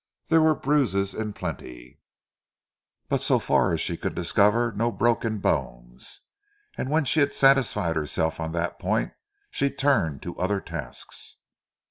There were bruises in plenty, but so far as she could discover no broken bones, and when she had satisfied herself on that point, she turned to other tasks.